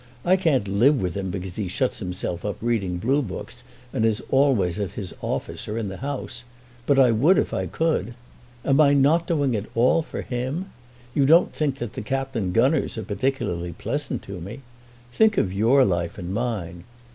I can't live with him because he shuts himself up reading blue books, and is always at his office or in the House; but I would if I could. Am I not doing it all for him? You don't think that the Captain Gunners are particularly pleasant to me! Think of your life and of mine.